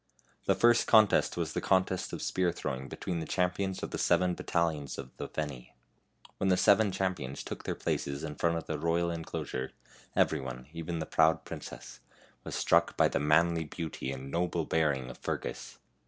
The first contest was the contest of spear throwing between the champions of the seven battalions of the Feni. When the seven cham pions took their places in front of the royal in closure, everyone, even the proud princess, was struck by the manly beauty and noble bearing of Fergus.